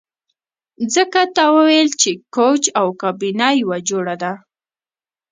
ځکه تا ویل چې کوچ او کابینه یوه جوړه ده